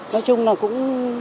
nói chung là cũng